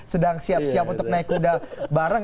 sedang siap siap untuk naik kuda bareng